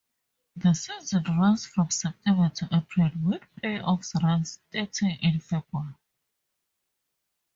The season runs from September to April with playoff ranks starting in February.